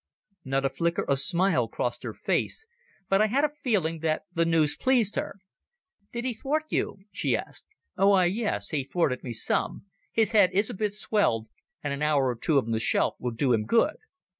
Not a flicker of a smile crossed her face, but I had a feeling that the news pleased her. "Did he thwart you?" she asked. "Why, yes. He thwarted me some. His head is a bit swelled, and an hour or two on the shelf will do him good."